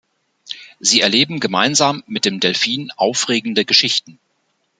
Sie erleben gemeinsam mit dem Delfin aufregende Geschichten.